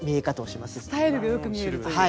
スタイルがよく見えるという。